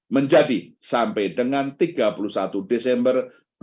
menjadi sampai dengan tiga puluh satu desember dua ribu dua puluh